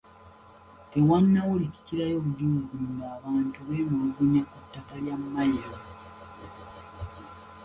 Tewannawulikikayo bujulizi nga abantu beemulugunya ku ttaka lya mmayiro.